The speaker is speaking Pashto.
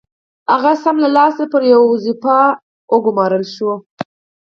هغه سم له لاسه پر يوه دنده وګومارل شو.